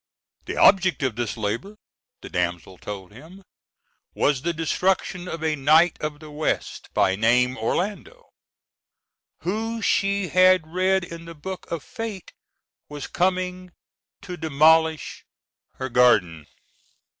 The object of this labor, the damsel told him, was the destruction of a knight of the west, by name Orlando, who she had read in the book of Fate was coming to demolish her garden.